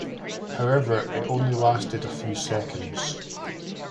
However, it only lasted a few seconds.